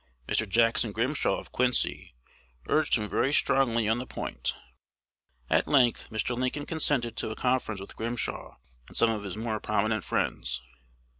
Mr. Jackson Grimshaw of Quincy urged him very strongly on the point. At length Mr. Lincoln consented to a conference with Grimshaw and some of his more prominent friends.